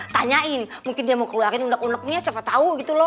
tanyain mungkin dia mau keluarin uneg unegnya siapa tau gitu loh